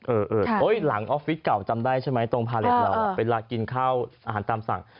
หลังออฟฟิศเก่าจำได้ใช่ไหมตรงพาเล็ตเราเวลากินข้าวอาหารตามสั่ง